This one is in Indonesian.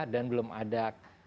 dan belum ada